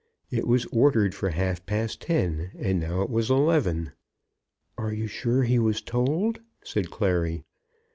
It was ordered for half past ten, and now it was eleven. "Are you sure he was told?" said Clary.